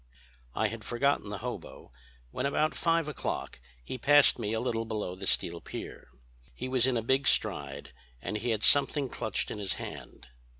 "I had forgotten the hobo, when about five o'clock he passed me a little below the Steel Pier. He was in a big stride and he had something clutched in his hand.